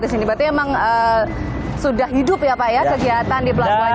berarti emang sudah hidup ya pak ya kegiatan di pelabuhan